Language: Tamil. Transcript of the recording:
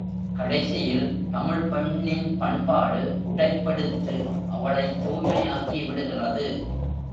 கடைசியில், தமிழ்ப் பெண்ணின் பண்பாடு உடைப்பெடுத்து அவளைத் தூய்மையாக்கி விடுகிறது.